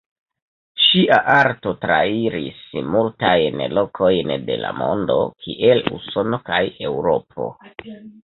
Ŝia arto trairis multajn lokojn de la mondo kiel Usono kaj Eŭropo.